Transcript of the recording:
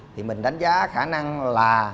thì mình đánh giá khả năng là